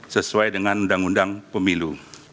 sesuai dengan undang undang pemilu